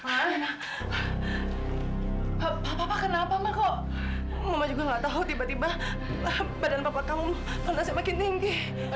apa apa kenapa kau mau juga nggak tahu tiba tiba badan papa kamu makin tinggi